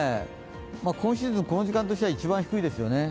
今シーズンこの時間としては一番低いですよね。